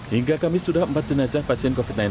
hingga kamis sudah empat jenazah pasien covid sembilan belas